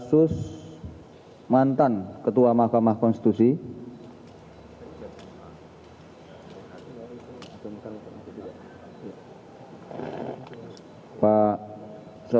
sudah sudah berapa itu lima